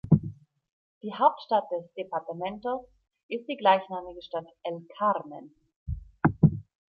Die Hauptstadt des Departamentos ist die gleichnamige Stadt El Carmen.